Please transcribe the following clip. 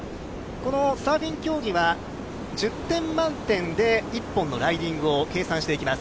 サーフィン競技は１０点満点で１本のライディングを計算していきます。